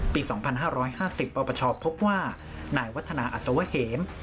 ปีสองพันห้าร้อยห้าสิบประประชอพบว่านายวัฒนาอสเวฮม